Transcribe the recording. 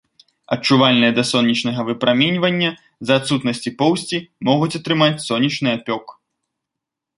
Адчувальныя да сонечнага выпраменьвання, з-за адсутнасці поўсці могуць атрымаць сонечны апёк.